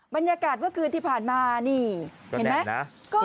บรรยากาศเมื่อคืนที่ผ่านมานี่เห็นไหม